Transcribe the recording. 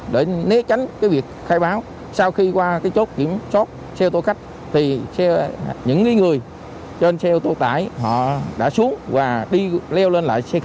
để về quê